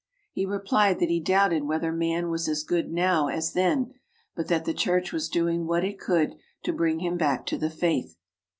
He replied that he doubted whether man was as good now as then, but that the Church was doing what it could to bring him back to the faith.